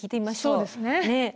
そうですね。